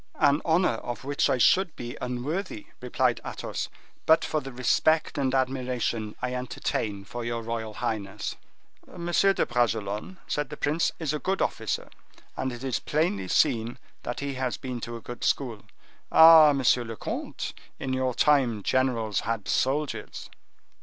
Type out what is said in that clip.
"An honor of which I should be unworthy," replied Athos, "but for the respect and admiration I entertain for your royal highness." "Monsieur de Bragelonne," said the prince, "is a good officer, and it is plainly seen that he has been to a good school. Ah, monsieur le comte, in your time, generals had soldiers!"